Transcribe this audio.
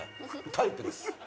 タイプです。